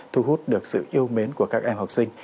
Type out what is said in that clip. thu hút được sự yêu mến của các em học sinh